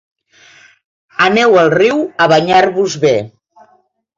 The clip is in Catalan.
Aneu al riu a banyar-vos be.